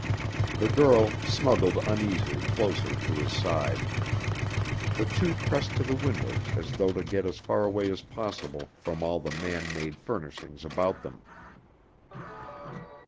The girl snuggled uneasily closer to his side. The two pressed to the window as though to get as far away as possible from all the man made furnishings about them.